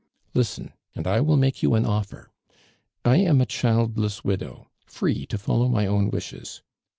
Listen, and I will make you an offer. I am a childless widow — free to follow my own wishes.